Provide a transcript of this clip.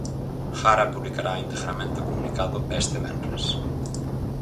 Gara publicará integramente o comunicado este venres.